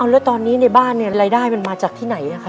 แล้วตอนนี้ในบ้านเนี่ยรายได้มันมาจากที่ไหน